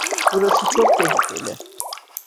Burası çok tehlikeli.